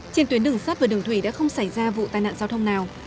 trên tuyến đường sát và đường thủy đã không xảy ra vụ tai nạn giao thông nào